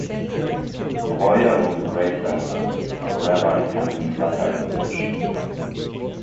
Breuer was a great-grandson of Rabbi Samson Raphael Hirsch.